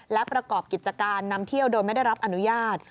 และประกอบกิจการนำเที่ยวโดยไม่ได้รับอนุญาต